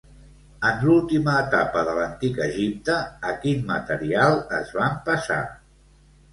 En l'última etapa de l'Antic Egipte, a quin material es van passar?